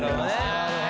なるほどね。